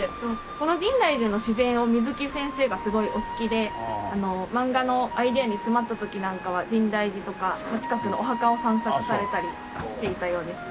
この深大寺の自然を水木先生がすごいお好きでマンガのアイデアに詰まった時なんかは深大寺とか近くのお墓を散策されたりしていたようです。